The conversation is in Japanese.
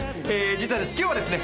実は今日はですね